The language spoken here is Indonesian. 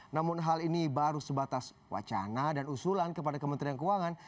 namun hal ini baru sebatas wacana dan usulan kepada kementerian keuangan